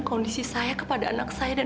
kondisi saya kepada anak saya dan